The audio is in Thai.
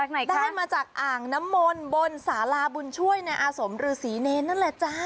ได้มาจากอ่างน้ำมนต์บนสาราบุญช่วยในอาสมฤษีเนรนั่นแหละจ้า